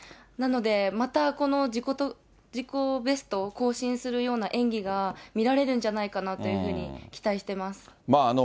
なので、またこの自己ベストを更新するような演技が見られるんじゃないかなというふうに期待しています。